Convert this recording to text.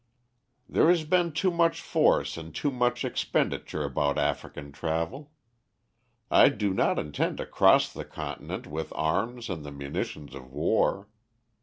"There has been too much force and too much expenditure about African travel. I do not intend to cross the Continent with arms and the munitions of war.